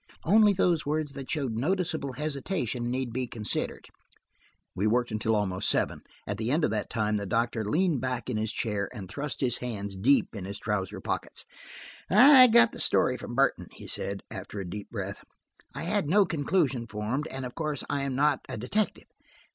Only those words that showed noticeable hesitation need be considered." We worked until almost seven. At the end of that time the doctor leaned back in his chair, and thrust his hands deep in his trouser pockets. "I got the story from Burton," he said, after a deep breath. "I had no conclusion formed, and of course I am not a detective.